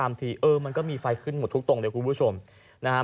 อันตรายนะฮะ